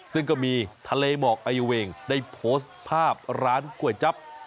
ซึ่งก็มีทะเลหมอกไอเวงได้โพสต์ภาพร้านก๋วยจั๊บ